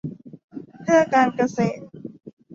เพื่อการเกษตร